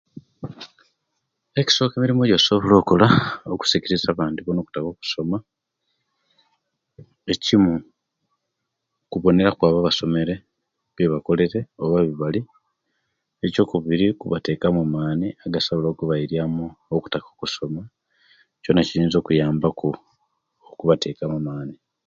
Ekisokeremu engeri ejosobola okola okusikirizya abandi bona okutaka okusoma ekimu kuboneraku abo abasomere ekibakolere oba ebali, ekyokubiri kubateka mu mani agasobola okubayiriamu okutaka okusoma kyona kiyinza okubayamba ku okubatekamu mani